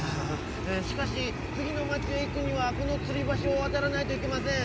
しかしつぎの町へいくにはこのつりばしをわたらないといけません。